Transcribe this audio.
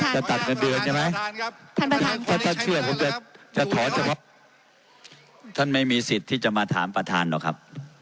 จะตัดเงินเดือนใช่ไหมท่านประธานค่ะท่านไม่มีสิทธิ์ที่จะมาถามประธานหรอกครับ